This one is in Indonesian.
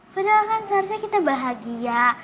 padahal kan seharusnya kita bahagia